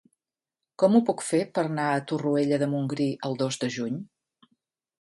Com ho puc fer per anar a Torroella de Montgrí el dos de juny?